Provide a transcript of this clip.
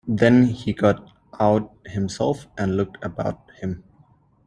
Then he got out himself and looked about him.